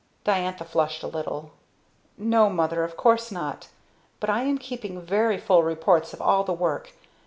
Diantha flushed a little. "No, mother, of course not. But I am keeping very full reports of all the work.